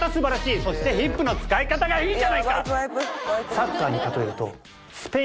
そしてヒップの使い方がいいじゃないか！